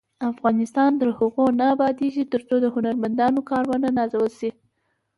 افغانستان تر هغو نه ابادیږي، ترڅو د هنرمندانو کار ونه نازول شي.